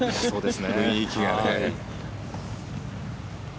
雰囲気がね。